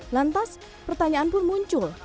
lantas pertanyaan pun muncul